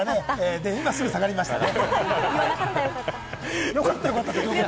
で、今すぐ下がりましたね。